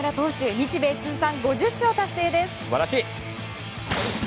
日米通算５０勝達成です。